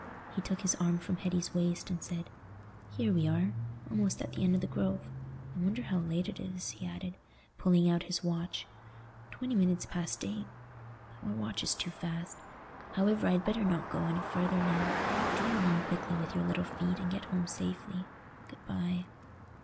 He took his arm from Hetty's waist, and said, "Here we are, almost at the end of the Grove. I wonder how late it is," he added, pulling out his watch. "Twenty minutes past eight—but my watch is too fast. However, I'd better not go any further now. Trot along quickly with your little feet, and get home safely. Good bye."